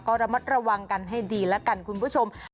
ก็ระมัดระวังกันให้ดีแล้วกันคุณผู้ชม